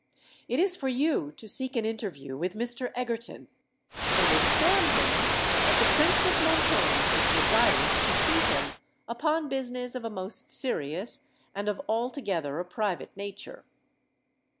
It is for you to seek an interview with Mr. Egerton, and inform him that the Prince of Montoni is desirous to see him upon business of a most serious and of altogether a private nature."